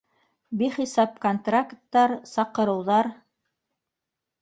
Бихисап контракттар, саҡырыуҙар.